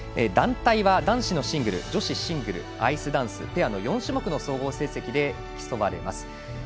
団体は男子のシングル女子シングル、アイスダンスペアの４種目の総合成績で競われます。